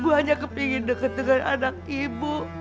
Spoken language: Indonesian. ibu hanya kepengen deket deket anak ibu